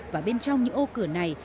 và bên trong những ô cửa này